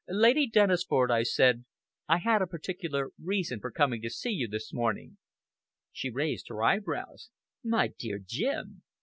"Lady Dennisford," I said, "I had a particular reason for coming to see you this morning." She raised her eyebrows. "My dear Jim!"